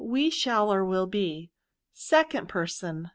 We shall, or will, be. 2d Person.